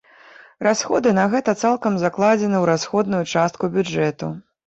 Расходы на гэта цалкам закладзены ў расходную частку бюджэту.